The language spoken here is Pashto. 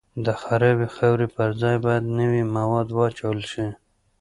د خرابې خاورې پر ځای باید نوي مواد واچول شي